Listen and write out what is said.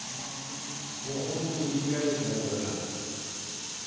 もう本当に生きがいですねこれが。